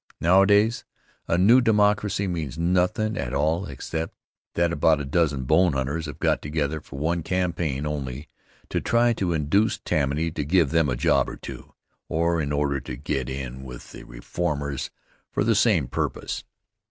Nowadays a new Democracy means nothin' at all except that about a dozen bone hunters have got together for one campaign only to try to induce Tammany to give them a job or two, or in order to get in with the reformers for the same purpose.